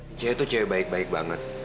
ini cewek tuh cewek baik baik banget